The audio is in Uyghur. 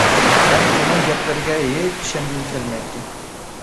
مەن ئۇنىڭ گەپلىرىگە ھېچ ئىشەنگۈم كەلمەيتتى.